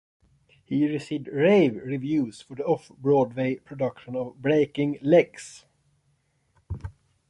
He received rave reviews for the off-Broadway production of "Breaking Legs".